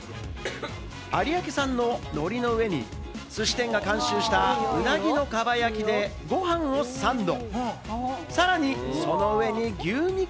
有明産の海苔の上にすし店が監修した鰻のかば焼きでご飯をサンド。